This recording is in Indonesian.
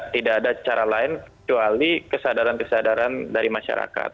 tidak ada cara lain kecuali kesadaran kesadaran dari masyarakat